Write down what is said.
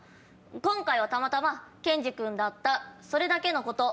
今回はたまたまケンジ君だったそれだけのこと。